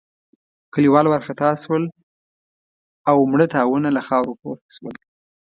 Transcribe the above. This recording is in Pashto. کليوال وارخطا شول او مړه تاوونه له خاورو پورته شول.